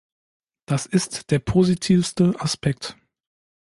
Das ist der positivste Aspekt.